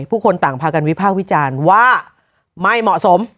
ผู้คนต่างพากันวิพากษ์วิจารณ์ว่าไม่เหมาะสม